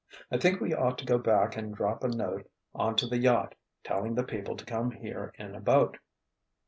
"I think we ought to go back and drop a note onto the yacht, telling the people to come here in a boat."